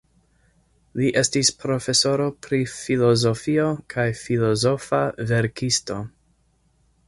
Li estis profesoro pri filozofio kaj filozofa verkisto.